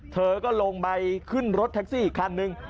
เธอก็ลงไปขึ้นรถแท็กซี่อีกคันนึง